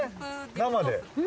生で。